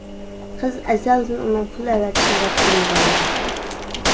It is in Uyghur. قىز ئەزەلدىن ئۇنىڭ پۇل ئەۋەتىشىنى رەت قىلمىغان ئىدى.